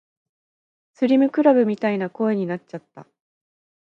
スリムクラブみたいな声になっちゃった